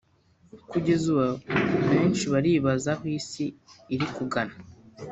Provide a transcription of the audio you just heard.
Kugeza ubu benshi baribaza aho isi iri kugana